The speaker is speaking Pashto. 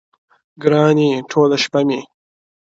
گراني ټوله شپه مي ـ